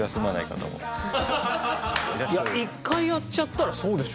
いや一回やっちゃったらそうでしょうね。